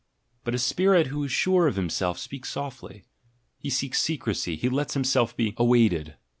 But a spirit who is sure of himself speaks softly; he seeks secrecy, he lets himself be awaited.